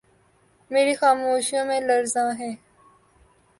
میری خاموشیوں میں لرزاں ہے